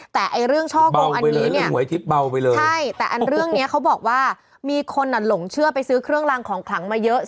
แต่ไอ้เรื่องช่อกงอันนี้เนี่ยหวยทิพย์เบาไปเลยใช่แต่อันเรื่องเนี้ยเขาบอกว่ามีคนอ่ะหลงเชื่อไปซื้อเครื่องรางของขลังมาเยอะ